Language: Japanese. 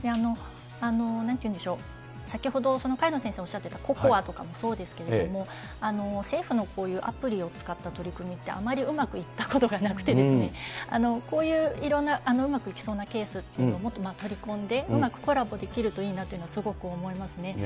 なんていうんでしょう、先ほど、萱野先生おっしゃってたＣＯＣＯＡとかもそうですけれども、政府のこういうアプリを使った取り組みって、あまりうまくいったことがなくてですね、こういういろんなうまくいきそうなケースっていうのをもっと取り込んで、コラボできればいいなと思いますね。